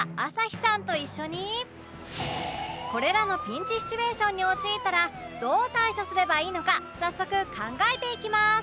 これらのピンチシチュエーションに陥ったらどう対処すればいいのか早速考えていきます